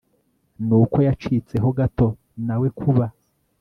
n uko yacitseho gato Nawe kuba